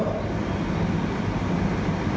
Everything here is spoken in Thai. นะครับ